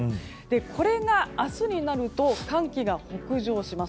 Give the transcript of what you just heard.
これが、明日になると寒気が北上します。